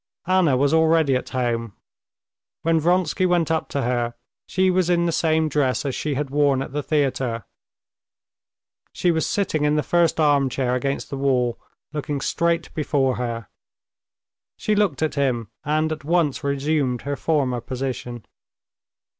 Anna was already at home. When Vronsky went up to her, she was in the same dress as she had worn at the theater. She was sitting in the first armchair against the wall, looking straight before her. She looked at him, and at once resumed her former position.